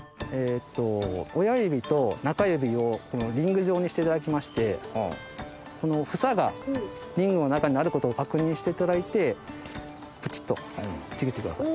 えっと。にしていただきましてこの房がリングの中にあることを確認していただいてプチっとちぎってください。